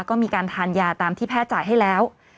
ก็มีการทานยาตามที่แพทย์จ่ายให้แล้ว